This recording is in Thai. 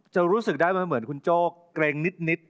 รู้สึกได้ว่าเหมือนคุณโจ้เกรงนิด